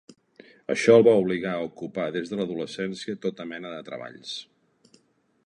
Això el va obligar a ocupar des de l'adolescència tota mena de treballs.